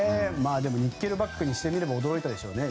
ニッケルバックにしてみても驚いたでしょうね。